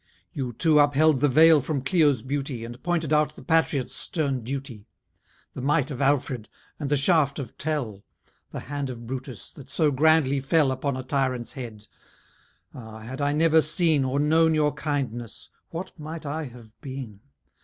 You too upheld the veil from Clio's beauty, And pointed out the patriot's stern duty; The might of Alfred, and the shaft of Tell; The hand of Brutus, that so grandly fell Upon a tyrant's head. Ah! had I never seen, Or known your kindness, what might I have been?